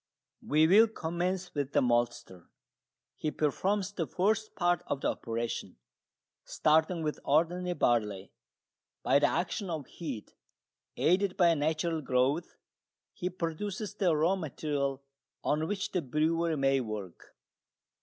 We will commence with the maltster. He performs the first part of the operation. Starting with ordinary barley, by the action of heat, aided by natural growth, he produces the raw material on which the brewer may work.